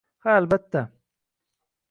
— Ha, albatta.